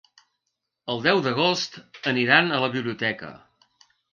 El deu d'agost aniran a la biblioteca.